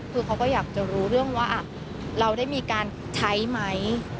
คือเขาก็อยากจะรู้เรื่องว่าเราได้มีการใช้ไหม